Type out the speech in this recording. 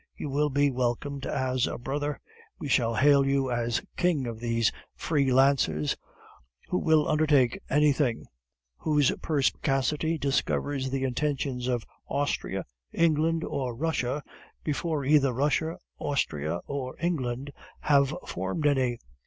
You will be welcomed as a brother, we shall hail you as king of these free lances who will undertake anything; whose perspicacity discovers the intentions of Austria, England, or Russia before either Russia, Austria or England have formed any.